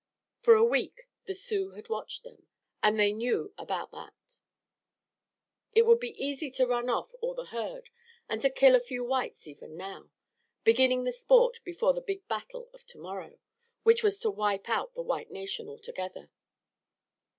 For a week the Sioux had watched them, and they knew about that. It would be easy to run off all the herd and to kill a few whites even now, beginning the sport before the big battle of to morrow, which was to wipe out the white nation altogether.